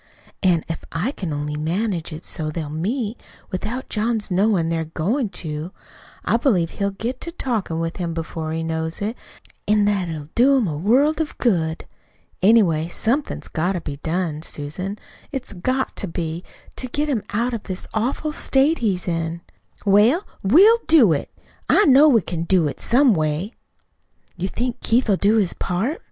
"An' if I can only manage it so they'll meet without John's knowin' they're goin' to, I believe he'll get to talkin' with him before he knows it; an' that it'll do him a world of good. Anyway, somethin's got to be done, Susan it's GOT to be to get him out of this awful state he's in." "Well, we'll do it. I know we can do it some way." "You think Keith'll do his part?"